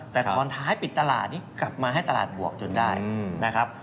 แต่ตอนท้ายปิดตลาดนี่กลับมาให้ตลาดบวกจนได้นะครับ